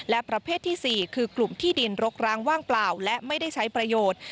และประเภทที่๔คือกลุ่มที่ดินรกร้างว่างเปล่าและไม่ได้ใช้ประโยชน์